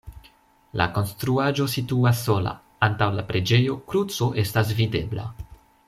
La konstruaĵo situas sola, antaŭ la preĝejo kruco estas videbla.